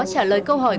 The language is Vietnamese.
trả lời câu hỏi